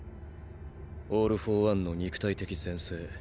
オール・フォー・ワンの肉体的全盛。